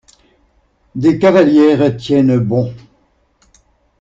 Des cavalières tiennent bon.